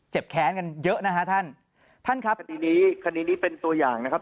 แค้นกันเยอะนะฮะท่านท่านครับคดีนี้คดีนี้เป็นตัวอย่างนะครับ